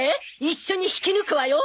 一緒に引き抜くわよ！